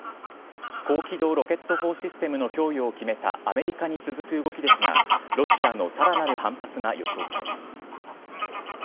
高機動ロケット砲システムの供与を決めたアメリカに続く動きですが、ロシアのさらなる反発が予想されます。